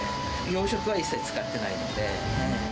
養殖は一切使ってないので。